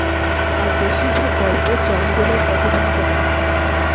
তার বেশির ভাগ গল্প জঙ্গলের পটভূমিতে লেখা।